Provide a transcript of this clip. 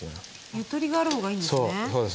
ゆとりがある方がいいですね。